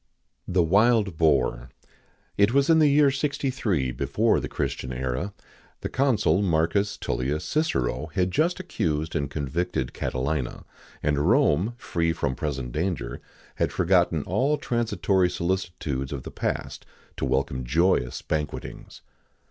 [XIX 64] THE WILD BOAR. It was in the year 63 before the Christian era: the consul Marcus Tullius Cicero had just accused and convicted Catilina, and Rome, free from present danger, had forgotten all transitory solicitudes of the past to welcome joyous banquetings.